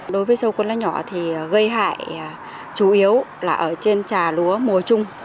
đối với sâu cuốn lá nhỏ thì gây hại chủ yếu là ở trên trà lúa mùa trung